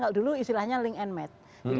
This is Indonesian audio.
kalau dulu istilahnya link and mat